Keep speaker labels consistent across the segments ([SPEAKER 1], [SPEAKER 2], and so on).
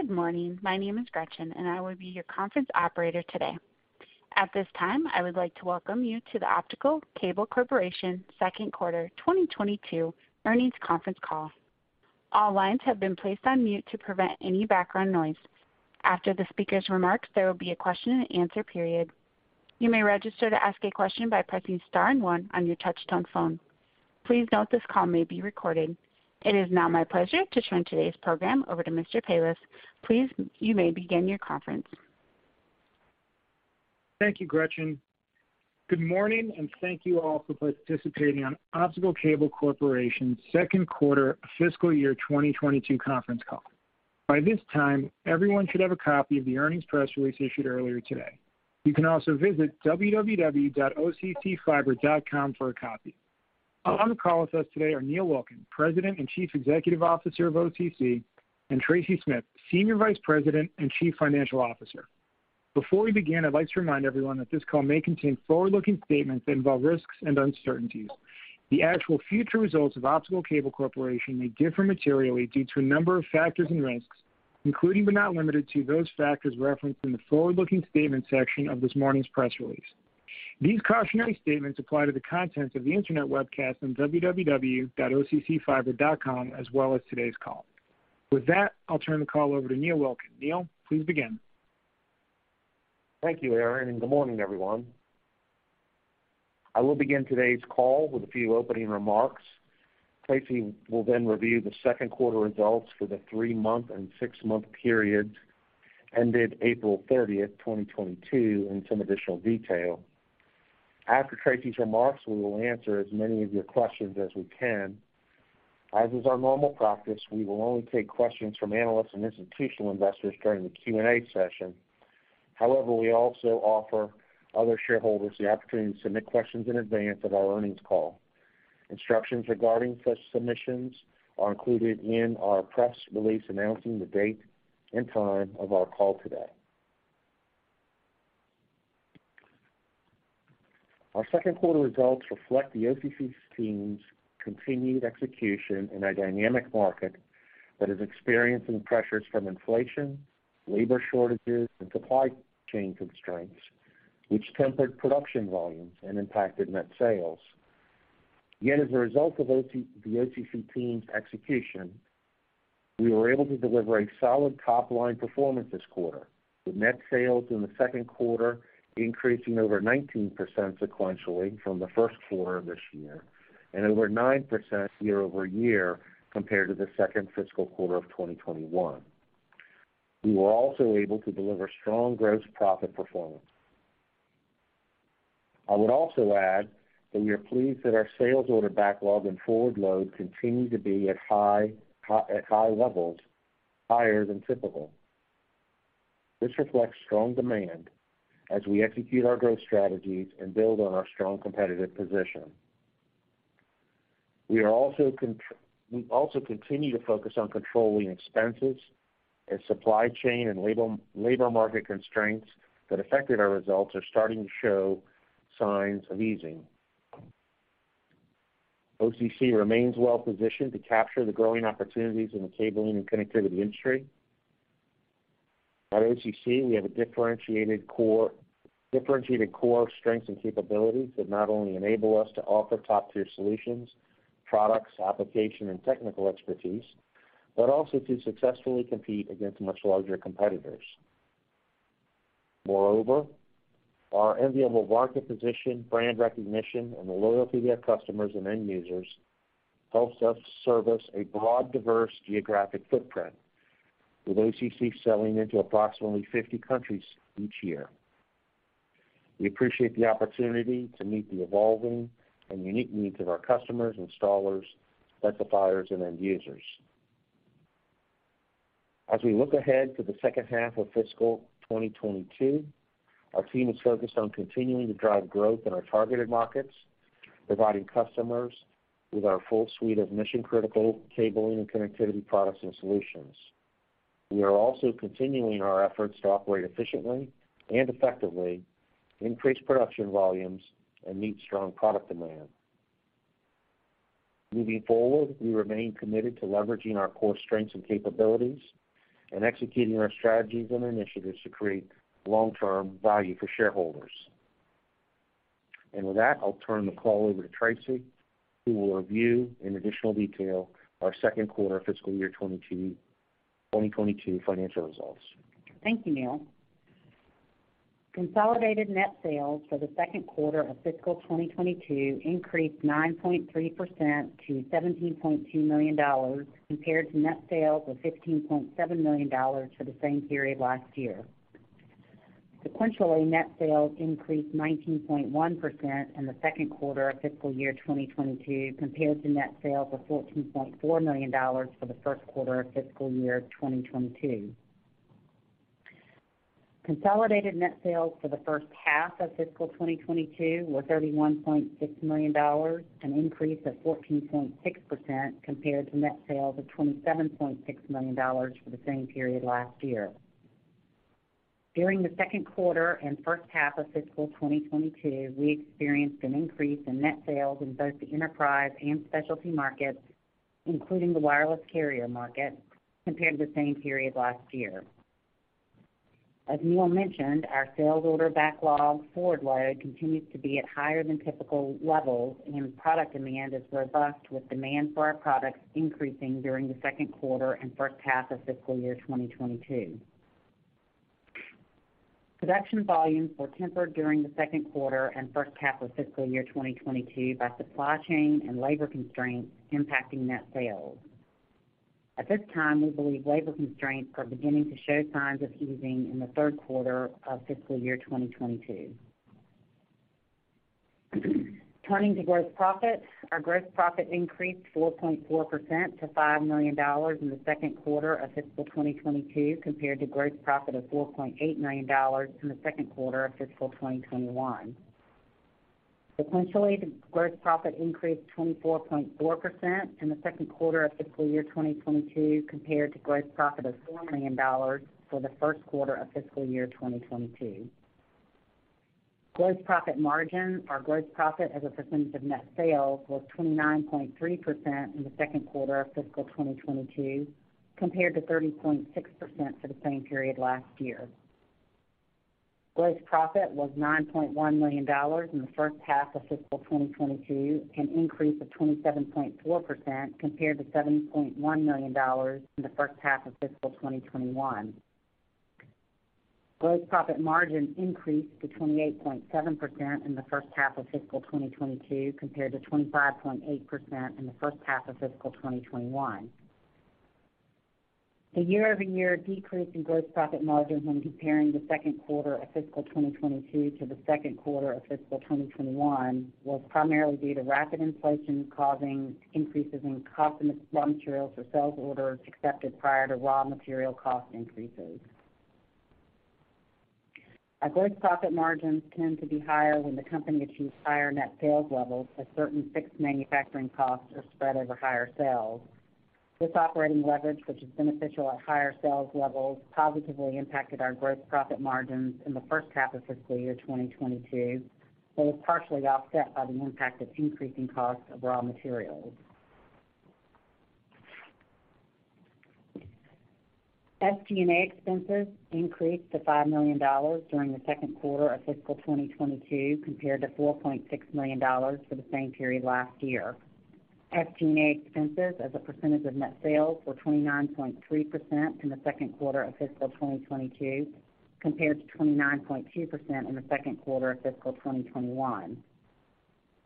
[SPEAKER 1] Good morning. My name is Gretchen, and I will be your conference operator today. At this time, I would like to welcome you to the Optical Cable Corporation second quarter 2022 earnings conference call. All lines have been placed on mute to prevent any background noise. After the speaker's remarks, there will be a question-and-answer period. You may register to ask a question by pressing star and one on your touchtone phone. Please note this call may be recorded. It is now my pleasure to turn today's program over to Mr. Palash. Please, you may begin your conference.
[SPEAKER 2] Thank you, Gretchen. Good morning, and thank you all for participating on Optical Cable Corporation second quarter fiscal year 2022 conference call. By this time, everyone should have a copy of the earnings press release issued earlier today. You can also visit www.occfiber.com for a copy. On the call with us today are Neil Wilkin, President and Chief Executive Officer of OCC, and Tracy Smith, Senior Vice President and Chief Financial Officer. Before we begin, I'd like to remind everyone that this call may contain forward-looking statements that involve risks and uncertainties. The actual future results of Optical Cable Corporation may differ materially due to a number of factors and risks, including but not limited to those factors referenced in the forward-looking statement section of this morning's press release. These cautionary statements apply to the contents of the internet webcast on www.occfiber.com, as well as today's call. With that, I'll turn the call over to Neil Wilkin. Neil, please begin.
[SPEAKER 3] Thank you, Aaron, and good morning, everyone. I will begin today's call with a few opening remarks. Tracy will then review the second quarter results for the three-month and six-month periods ended April 30th, 2022 in some additional detail. After Tracy's remarks, we will answer as many of your questions as we can. As is our normal practice, we will only take questions from analysts and institutional investors during the Q&A session. However, we also offer other shareholders the opportunity to submit questions in advance of our earnings call. Instructions regarding such submissions are included in our press release announcing the date and time of our call today. Our second quarter results reflect the OCC team's continued execution in a dynamic market that is experiencing pressures from inflation, labor shortages, and supply chain constraints, which tempered production volumes and impacted net sales. Yet, as a result of the OCC team's execution, we were able to deliver a solid top-line performance this quarter, with net sales in the second quarter increasing over 19% sequentially from the first quarter of this year and over 9% year over year compared to the second fiscal quarter of 2021. We were also able to deliver strong gross profit performance. I would also add that we are pleased that our sales order backlog and forward load continue to be at high levels, higher than typical. This reflects strong demand as we execute our growth strategies and build on our strong competitive position. We also continue to focus on controlling expenses, and supply chain and labor market constraints that affected our results are starting to show signs of easing. OCC remains well positioned to capture the growing opportunities in the cabling and connectivity industry. At OCC, we have a differentiated core strengths and capabilities that not only enable us to offer top-tier solutions, products, application, and technical expertise, but also to successfully compete against much larger competitors. Moreover, our enviable market position, brand recognition, and the loyalty of customers and end users helps us service a broad, diverse geographic footprint, with OCC selling into approximately 50 countries each year. We appreciate the opportunity to meet the evolving and unique needs of our customers, installers, specifiers, and end users. As we look ahead to the second half of fiscal 2022, our team is focused on continuing to drive growth in our targeted markets, providing customers with our full suite of mission-critical cabling and connectivity products and solutions. We are also continuing our efforts to operate efficiently and effectively, increase production volumes, and meet strong product demand. Moving forward, we remain committed to leveraging our core strengths and capabilities and executing our strategies and initiatives to create long-term value for shareholders. With that, I'll turn the call over to Tracy, who will review in additional detail our second quarter fiscal year 2022 financial results.
[SPEAKER 4] Thank you, Neil. Consolidated net sales for the second quarter of fiscal 2022 increased 9.3% to $17.2 million compared to net sales of $15.7 million for the same period last year. Sequentially, net sales increased 19.1% in the second quarter of fiscal year 2022 compared to net sales of $14.4 million for the first quarter of fiscal year 2022. Consolidated net sales for the first half of fiscal 2022 were $31.6 million, an increase of 14.6% compared to net sales of $27.6 million for the same period last year. During the second quarter and first half of fiscal 2022, we experienced an increase in net sales in both the enterprise and specialty markets, including the wireless carrier market, compared to the same period last year. As Neil mentioned, our sales order backlog forward load continues to be at higher than typical levels, and product in the end is robust, with demand for our products increasing during the second quarter and first half of fiscal year 2022. Production volumes were tempered during the second quarter and first half of fiscal year 2022 by supply chain and labor constraints impacting net sales. At this time, we believe labor constraints are beginning to show signs of easing in the third quarter of fiscal year 2022. Turning to gross profit. Our gross profit increased 4.4% to $5 million in the second quarter of fiscal 2022, compared to gross profit of $4.8 million in the second quarter of fiscal 2021. Sequentially, the gross profit increased 24.4% in the second quarter of fiscal year 2022 compared to gross profit of $4 million for the first quarter of fiscal year 2022. Gross profit margin, our gross profit as a percentage of net sales was 29.3% in the second quarter of fiscal 2022 compared to 30.6% for the same period last year. Gross profit was $9.1 million in the first half of fiscal 2022, an increase of 27.4% compared to $7.1 million in the first half of fiscal 2021. Gross profit margin increased to 28.7% in the first half of fiscal 2022 compared to 25.8% in the first half of fiscal 2021. The year-over-year decrease in gross profit margin when comparing the second quarter of fiscal 2022 to the second quarter of fiscal 2021 was primarily due to rapid inflation causing increases in cost of materials for sales orders accepted prior to raw material cost increases. Our gross profit margins tend to be higher when the company achieves higher net sales levels as certain fixed manufacturing costs are spread over higher sales. This operating leverage, which is beneficial at higher sales levels, positively impacted our gross profit margins in the first half of fiscal year 2022, but was partially offset by the impact of increasing costs of raw materials. SG&A expenses increased to $5 million during the second quarter of fiscal 2022 compared to $4.6 million for the same period last year. SG&A expenses as a percentage of net sales were 29.3% in the second quarter of fiscal 2022 compared to 29.2% in the second quarter of fiscal 2021.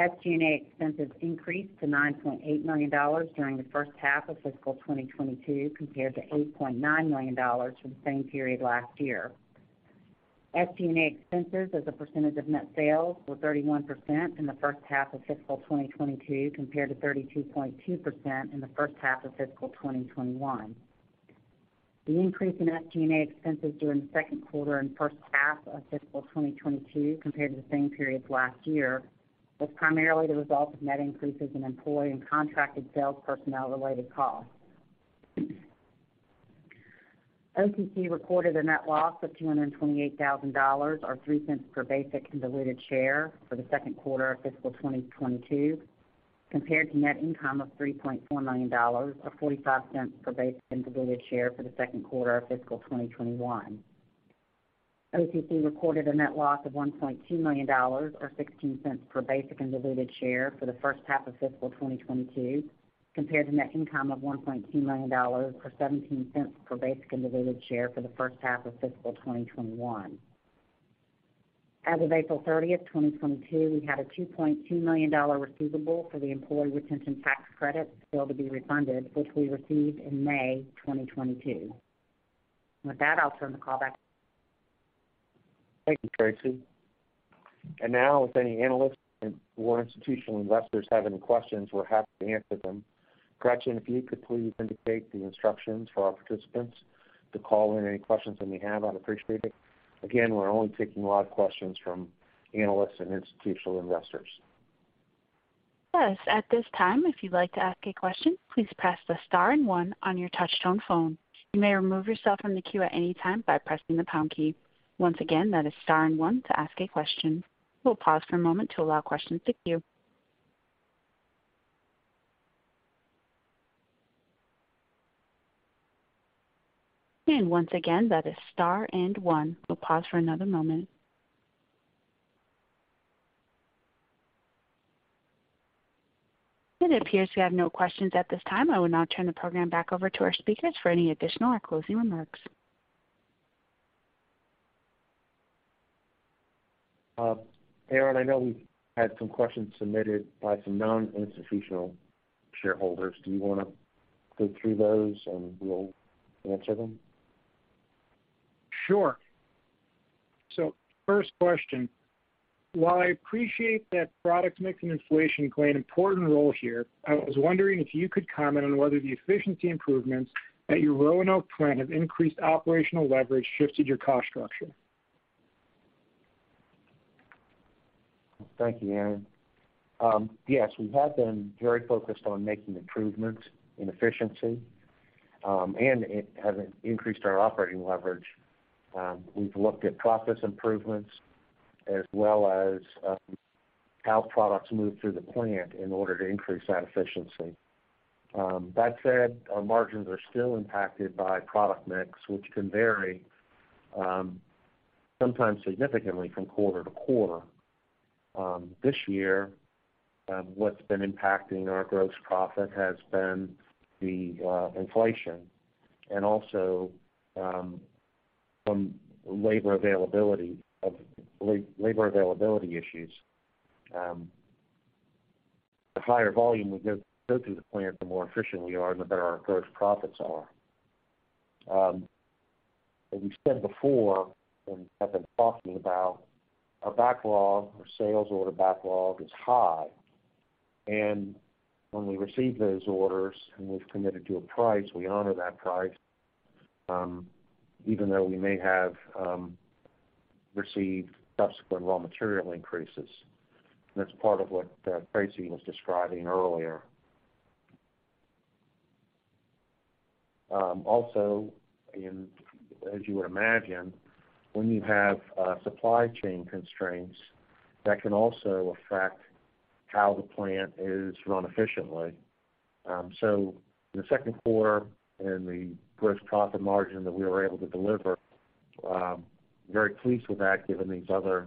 [SPEAKER 4] SG&A expenses increased to $9.8 million during the first half of fiscal 2022 compared to $8.9 million for the same period last year. SG&A expenses as a percentage of net sales were 31% in the first half of fiscal 2022 compared to 32.2% in the first half of fiscal 2021. The increase in SG&A expenses during the second quarter and first half of fiscal 2022 compared to the same periods last year was primarily the result of net increases in employee and contracted sales personnel related costs. OCC recorded a net loss of $228,000, or $0.03 per basic and diluted share for the second quarter of fiscal 2022 compared to net income of $3.4 million, or $0.45 per basic and diluted share for the second quarter of fiscal 2021. OCC recorded a net loss of $1.2 million, or $0.16 per basic and diluted share for the first half of fiscal 2022 compared to net income of $1.2 million, or $0.17 per basic and diluted share for the first half of fiscal 2021. As of April 30th, 2022, we had a $2.2 million receivable for the Employee Retention Tax Credit still to be refunded, which we received in May 2022. With that, I'll turn the call back.
[SPEAKER 3] Thank you, Tracy. Now, if any analysts or institutional investors have any questions, we're happy to answer them. Gretchen, if you could please indicate the instructions for our participants to call in any questions that we have, I'd appreciate it. Again, we're only taking live questions from analysts and institutional investors.
[SPEAKER 1] Yes. At this time, if you'd like to ask a question, please press the star and one on your touch tone phone. You may remove yourself from the queue at any time by pressing the pound key. Once again, that is star and one to ask a question. We'll pause for a moment to allow questions to queue. Once again, that is star and one. We'll pause for another moment. It appears we have no questions at this time. I will now turn the program back over to our speakers for any additional or closing remarks.
[SPEAKER 3] Aaron, I know we've had some questions submitted by some non-institutional shareholders. Do you wanna go through those and we'll answer them?
[SPEAKER 2] Sure. First question. While I appreciate that product mix and inflation play an important role here, I was wondering if you could comment on whether the efficiency improvements at your Roanoke plant have increased operational leverage shifted your cost structure?
[SPEAKER 3] Thank you, Aaron. Yes, we have been very focused on making improvements in efficiency, and it has increased our operating leverage. We've looked at process improvements as well as how products move through the plant in order to increase that efficiency. That said, our margins are still impacted by product mix, which can vary, sometimes significantly from quarter to quarter. This year, what's been impacting our gross profit has been the inflation and also from labor availability issues. The higher volume we get through the plant, the more efficient we are and the better our gross profits are. As we said before, and have been talking about, our backlog, our sales order backlog is high. When we receive those orders, and we've committed to a price, we honor that price, even though we may have received subsequent raw material increases. That's part of what Tracy was describing earlier. Also, as you would imagine, when you have supply chain constraints, that can also affect how the plant is run efficiently. The second quarter and the gross profit margin that we were able to deliver, very pleased with that given these other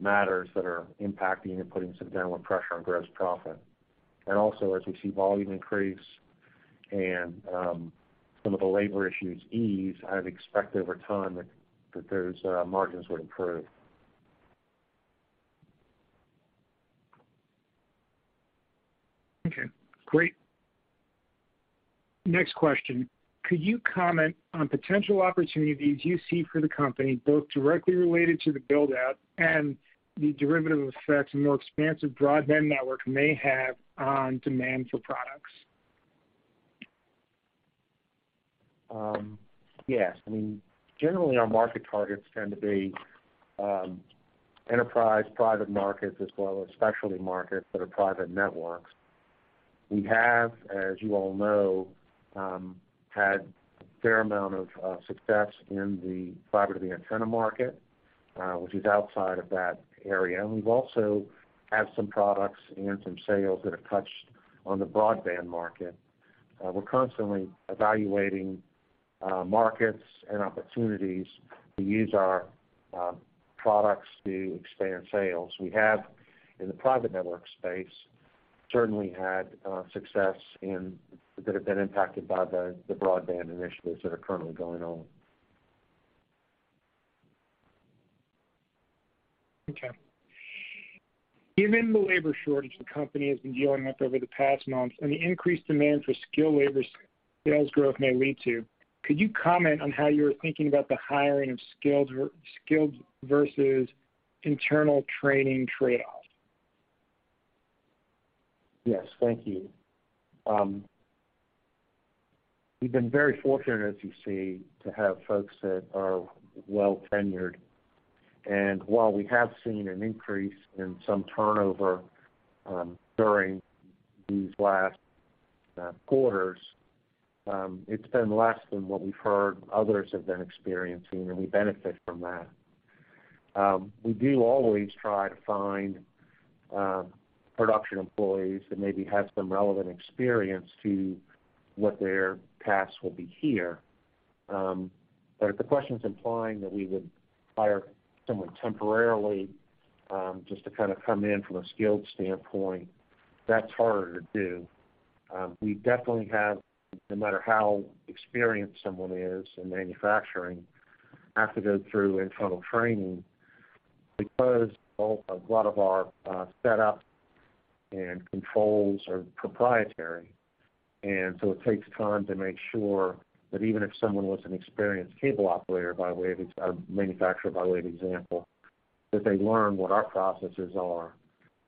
[SPEAKER 3] matters that are impacting and putting some downward pressure on gross profit. Also, as we see volume increase and some of the labor issues ease, I'd expect over time that those margins would improve.
[SPEAKER 2] Okay, great. Next question. Could you comment on potential opportunities you see for the company, both directly related to the build-out and the derivative effects a more expansive broadband network may have on demand for products?
[SPEAKER 3] Yes. I mean, generally, our market targets tend to be, enterprise private markets as well as specialty markets that are private networks. We have, as you all know, had a fair amount of success in the Fiber to the Antenna market, which is outside of that area. We've also had some products and some sales that have touched on the broadband market. We're constantly evaluating markets and opportunities to use our products to expand sales. We have, in the private network space, certainly had success in, that have been impacted by the broadband initiatives that are currently going on.
[SPEAKER 2] Okay. Given the labor shortage the company has been dealing with over the past months and the increased demand for skilled labor sales growth may lead to, could you comment on how you're thinking about the hiring of skilled versus internal training trade-off?
[SPEAKER 3] Yes. Thank you. We've been very fortunate at OCC to have folks that are well tenured. While we have seen an increase in some turnover during these last quarters, it's been less than what we've heard others have been experiencing, and we benefit from that. We do always try to find production employees that maybe have some relevant experience to what their tasks will be here. But if the question's implying that we would hire someone temporarily just to kind of come in from a skilled standpoint, that's harder to do. We definitely have, no matter how experienced someone is in manufacturing, have to go through internal training because a lot of our setup and controls are proprietary. It takes time to make sure that even if someone was an experienced cable operator, by way of example or manufacturer, that they learn what our processes are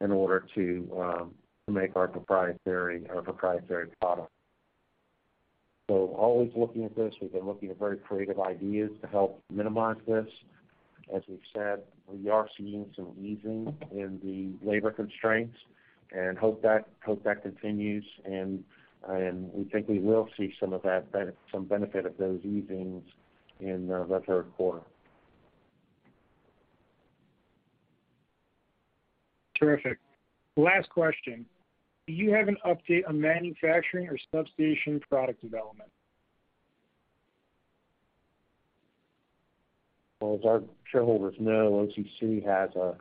[SPEAKER 3] in order to make our proprietary product. Always looking at this. We've been looking at very creative ideas to help minimize this. As we've said, we are seeing some easing in the labor constraints, and hope that continues, and we think we will see some of that benefit of those easings in the third quarter.
[SPEAKER 2] Terrific. Last question. Do you have an update on manufacturing or specialty product development?
[SPEAKER 3] Well, as our shareholders know, OCC has a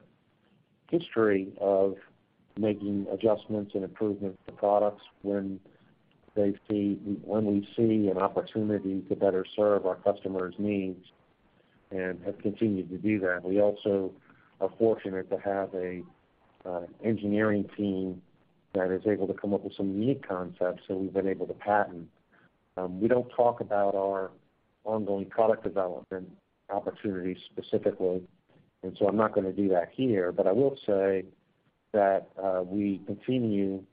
[SPEAKER 3] history of making adjustments and improvements to products when we see an opportunity to better serve our customers' needs, and have continued to do that. We also are fortunate to have a engineering team that is able to come up with some unique concepts that we've been able to patent. We don't talk about our ongoing product development opportunities specifically, and so I'm not gonna do that here. I will say that we continue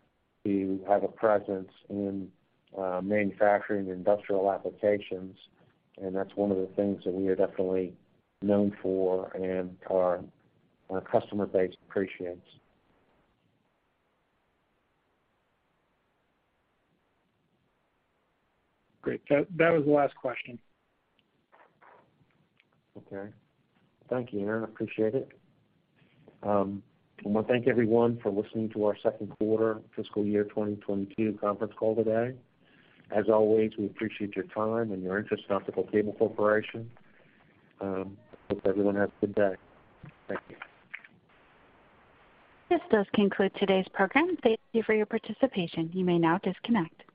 [SPEAKER 3] to have a presence in manufacturing industrial applications, and that's one of the things that we are definitely known for and our customer base appreciates.
[SPEAKER 2] Great. That was the last question.
[SPEAKER 3] Okay. Thank you, Aaron. I appreciate it. I wanna thank everyone for listening to our second-quarter fiscal year 2022 conference call today. As always, we appreciate your time and your interest in Optical Cable Corporation. Hope everyone has a good day. Thank you.
[SPEAKER 1] This does conclude today's program. Thank you for your participation. You may now disconnect.